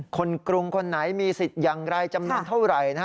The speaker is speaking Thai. กรุงคนไหนมีสิทธิ์อย่างไรจำนวนเท่าไหร่